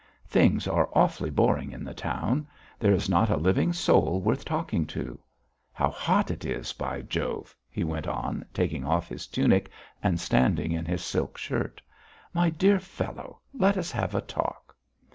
Things are awfully boring in the town; there is not a living soul worth talking to. How hot it is, by Jove!" he went on, taking off his tunic and standing in his silk shirt. "My dear fellow, let us have a talk."